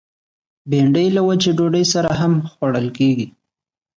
بېنډۍ له وچې ډوډۍ سره هم خوړل کېږي